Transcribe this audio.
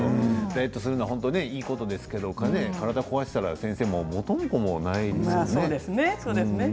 ダイエットするのはいいことですけど体を壊したら元も子もないですね。